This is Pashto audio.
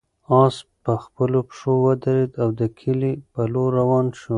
آس په خپلو پښو ودرېد او د کلي په لور روان شو.